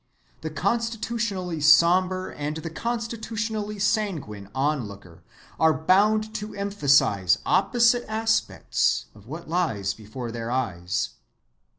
The constitutionally sombre and the constitutionally sanguine onlooker are bound to emphasize opposite aspects of what lies before their eyes.